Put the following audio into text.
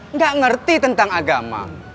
nggak ngerti tentang agama